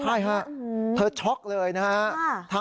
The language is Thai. ใช่ฮะเธอช็อกเลยนะฮะ